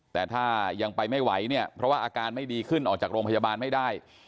แต่ถ้ายังไปไม่ไหวเนี่ยเพราะว่าอาการไม่ดีขึ้นออกจากโรงพยาบาลไม่ได้